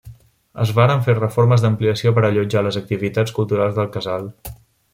Es varen fer reformes d'ampliació per allotjar les activitats culturals del casal.